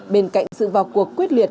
bên cạnh sự vào cuộc quyết liệt